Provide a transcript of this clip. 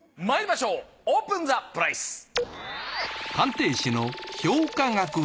まいりましょうオープンザプライス！